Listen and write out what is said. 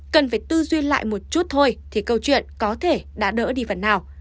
cần phải tư duy lại một chút thôi thì câu chuyện có thể đã đỡ đi phần nào